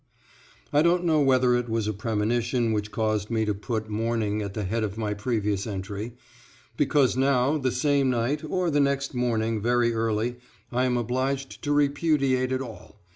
= I don't know whether it was a premonition which caused me to put morning at the head of my previous entry, because now, the same night, or the next morning very early I am obliged to repudiate it all.